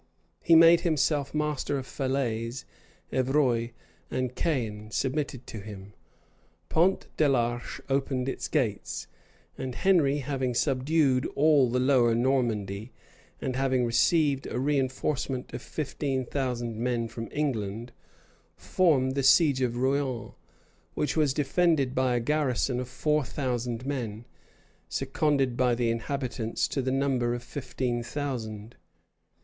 He made himself master of Falaise; Evreux and Caen submitted to him; Pont de l'Arche opened its gates; and Henry, having subdued all the lower Normandy, and having received a reënforcement of fifteen thousand men from England,[] formed the siege of Rouen, which was defended by a garrison of four thousand men, seconded by the inhabitants, to the number of fifteen thousand.